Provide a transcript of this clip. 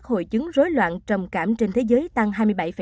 hội chứng rối loạn trầm cảm trên thế giới tăng hai mươi bảy